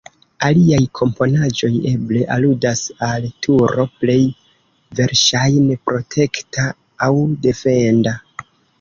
Aliaj komponaĵoj eble aludas al turo, plej verŝajne protekta aŭ defenda.